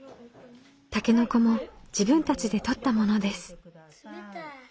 たけのこも自分たちで採ったものです。